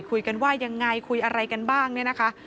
คุยกันว่ายังไงคุยอะไรกันบ้างเนี่ยนะคะ